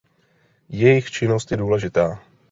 Jejich činnost je důležitá.